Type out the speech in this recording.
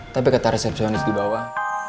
tapi kata resepsionis di bawah